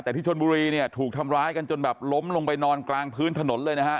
แต่ที่ชนบุรีเนี่ยถูกทำร้ายกันจนแบบล้มลงไปนอนกลางพื้นถนนเลยนะฮะ